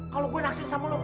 kalau gue naksir sama lo